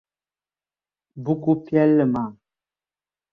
Buku piɛli maa.